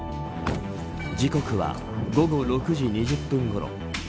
時刻は午後６時２０分ごろ。